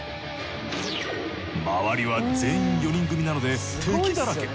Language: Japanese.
まわりは全員４人組なので敵だらけ！